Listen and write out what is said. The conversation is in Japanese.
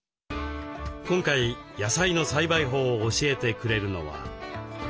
今回野菜の栽培法を教えてくれるのは。